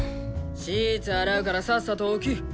シーツ洗うからさっさと起き！